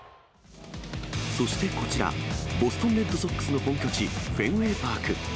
そしてこちら、ボストンレッドソックスの本拠地、フェンウェイ・パーク。